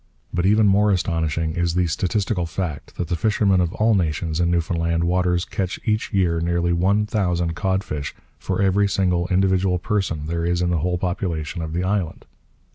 But even more astonishing is the statistical fact that the fishermen of all nations in Newfoundland waters catch each year nearly 1000 cod fish for every single individual person there is in the whole population of the island.